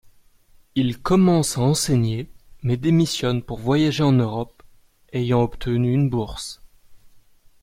Il commence à enseigner mais démissionne pour voyager en Europe, ayant obtenu une bourse.